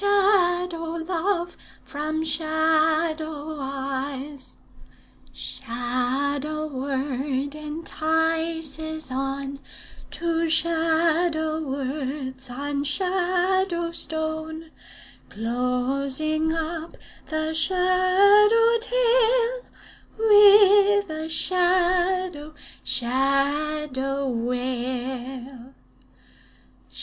Shadow love from shadow eyes Shadow ward entices on To shadow words on shadow stone, Closing up the shadow tale With a shadow shadow wail.